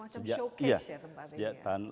semacam showcase ya tempat ini ya